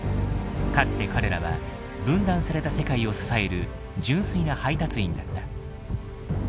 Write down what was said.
かつて彼らは分断された世界を支える純粋な配達員だった。